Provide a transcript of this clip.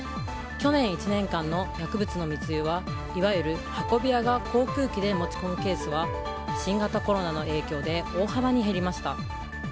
去年１年間の薬物の密輸はいわゆる運び屋が航空機で持ち込むケースは新型コロナの影響で大幅に減りました。